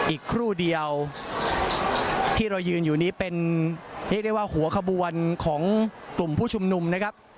อีกครู่เดียวที่เรายืนอยู่นี้เป็นเรียกได้ว่าหัวขบวนของกลุ่มผู้ชุมนุมนะครับ